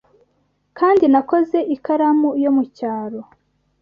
Kandi nakoze ikaramu yo mucyaro